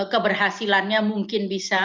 keberhasilannya mungkin bisa